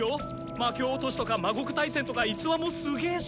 ⁉「魔橋落とし」とか「魔谷大戦」とか逸話もスゲーし。